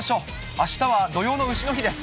あしたは土用のうしの日です。